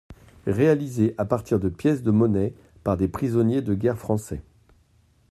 Réalisée à partir de pièces de monnaie par des prisonniers de guerre français.